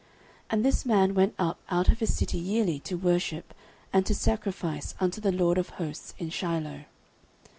09:001:003 And this man went up out of his city yearly to worship and to sacrifice unto the LORD of hosts in Shiloh.